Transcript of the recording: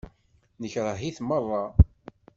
Nekṛeh-it meṛṛa.